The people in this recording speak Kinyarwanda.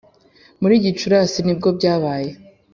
muri gicurasi nibwo byabaye